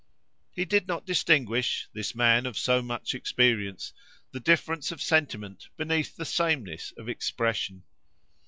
He did not distinguish, this man of so much experience, the difference of sentiment beneath the sameness of expression.